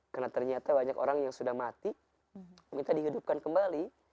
karena ternyata banyak orang yang sudah mati minta dihidupkan kembali